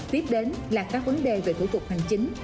tiếp đến là các vấn đề về thủ tục hành chính